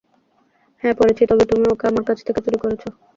হ্যাঁ পড়েছি, তবে তুমি ওকে, আমার কাছ থেকে চুরি করেছো।